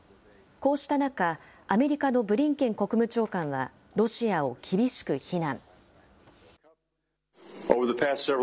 こうした中、アメリカのブリンケン国務長官はロシアを厳しく非難。